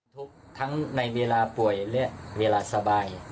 ทั้งในเวลาป่วยและเวลาสบาย